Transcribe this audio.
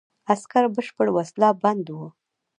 عسکر بشپړ وسله بند وو.